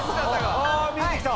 あ見えてきた。